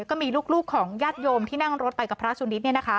ก็มีลูกของญาติโยมที่นั่งรถไปกับพระสุนิท